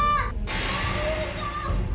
kak ruli kak